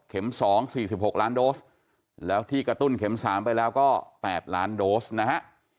เข็มสองสี่สิบหกล้านโดสแล้วที่กระตุ้นเข็มสามไปแล้วก็แปดล้านโดสนะฮะ